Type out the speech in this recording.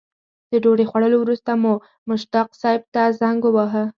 د ډوډۍ خوړلو وروسته مو مشتاق صیب ته زنګ وواهه.